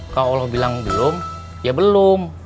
kalau bilang belum ya belum